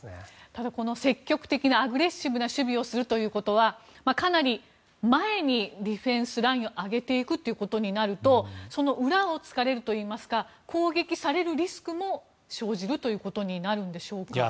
ただ、積極的なアグレッシブな守備をするということはかなり前にディフェンスラインを上げていくことになるとその裏を突かれるといいますか攻撃されるリスクも生じるということになるんでしょうか。